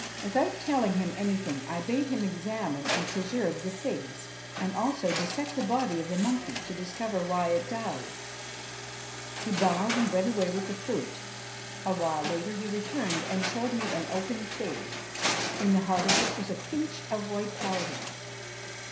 Without telling him anything, I bade him examine and preserve the figs, and also dissect the body of the monkey to discover why it died. He bowed and went away with the fruit. A while later he returned, and showed me an open fig. In the heart of it was a pinch of white powder.